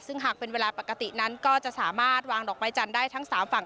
ซึ่งหากเป็นเวลาปกตินั้นก็จะสามารถวางดอกไม้จันทร์ได้ทั้ง๓ฝั่ง